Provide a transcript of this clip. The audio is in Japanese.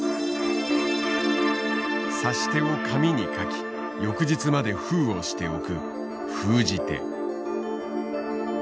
指し手を紙に書き翌日まで封をしておく封じ手。